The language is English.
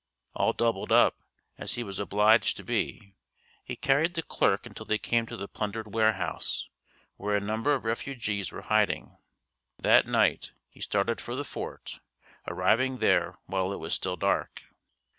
All doubled up, as he was obliged to be, he carried the clerk until they came to the plundered warehouse, where a number of refugees were hiding. That night, he started for the fort, arriving there while it was still dark.